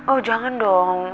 oh jangan dong